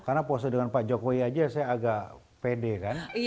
karena pose dengan pak jokowi aja saya agak pede kan